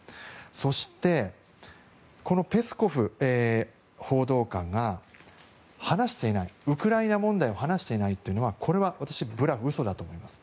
そして、このペスコフ報道官がウクライナ問題を話していないというのはこれは私はブラフ嘘だと思います。